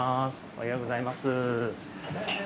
おはようございます。